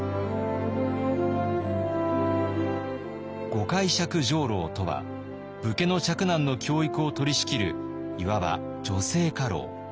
御介錯上とは武家の嫡男の教育を取りしきるいわば女性家老。